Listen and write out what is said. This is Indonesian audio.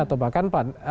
atau bahkan pan